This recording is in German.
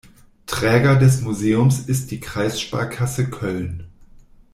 Träger des Museums ist die Kreissparkasse Köln.